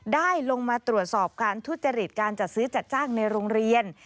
ได้ลงมาตรวจสอบการทุจริตการจัดซื้อจัดจ้างในโรงเรียน